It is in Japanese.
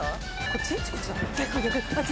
こっちだ。